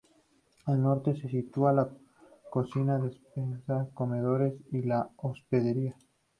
Al norte se sitúa la cocina, despensas, comedores y la hospedería.